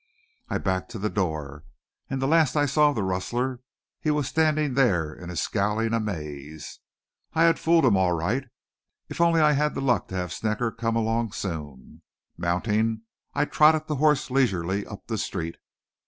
I backed to the door, and the last I saw of the rustler he was standing there in a scowling amaze. I had fooled him all right. If only I had the luck to have Snecker come along soon. Mounting, I trotted the horse leisurely up the street.